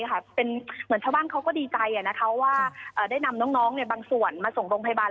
เหมือนชาวบ้านเขาก็ดีใจว่าได้นำน้องบางส่วนมาส่งโรงพยาบาล